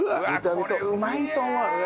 これうまいと思う！